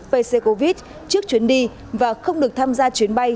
về sars cov hai trước chuyến đi và không được tham gia chuyến bay